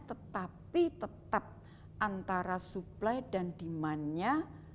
tetapi tetap antara supply dan demandnya